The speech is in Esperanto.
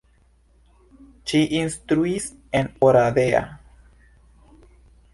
Ŝi instruis en Oradea.